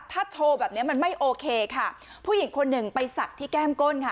ถ้าโชว์แบบเนี้ยมันไม่โอเคค่ะผู้หญิงคนหนึ่งไปสักที่แก้มก้นค่ะ